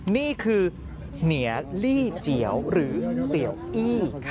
นี่คือเหนียลี่เจียวหรือเสียวอี้